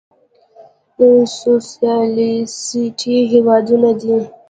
سوسيالېسټي هېوادونه دي.